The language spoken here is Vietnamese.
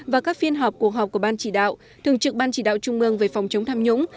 và các phiên họp của họp của ban chỉ đạo thường trực ban chỉ đạo trung ương về phòng chống tham nhũng